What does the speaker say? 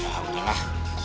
ya udah lah